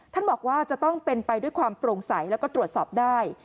บอกว่าจะต้องเป็นไปด้วยความโปร่งใสแล้วก็ตรวจสอบได้